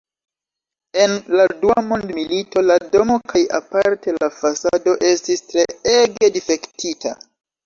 En la Dua Mondmilito la domo kaj aparte la fasado estis treege difektita.